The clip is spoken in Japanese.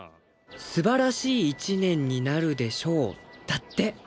「すばらしい１年になるでしょう」だって。